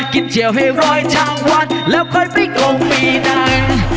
กินเที่ยวให้ร้อยทั้งวันแล้วค่อยไปกลงปีนั้น